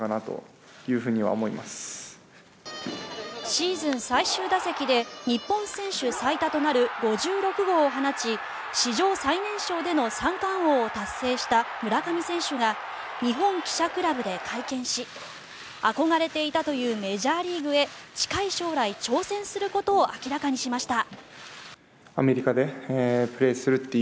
シーズン最終打席で日本選手最多となる５６号を放ち史上最年少での三冠王を達成した村上選手が日本記者クラブで会見し憧れていたというメジャーリーグへ近い将来、挑戦することを明らかにしました。